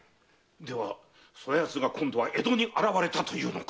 ⁉ではそやつが今度は江戸に現れたというのか？